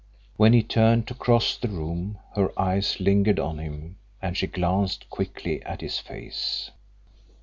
When he turned to cross the room her eyes lingered on him and she glanced quickly at his face.